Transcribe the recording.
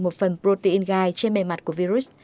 một phần protein gai trên bề mặt của virus